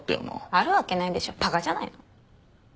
あるわけないでしょばかじゃないの。